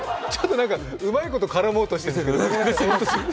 うまいこと絡もうとしてるね。